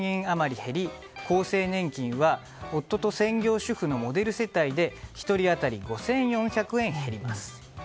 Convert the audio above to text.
余り減り厚生年金は夫と専業主婦のモデル世帯で１人当たり５４００円減ります。